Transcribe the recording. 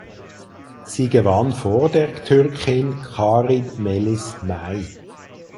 Sie gewann vor der Türkin Karin Melis Mey.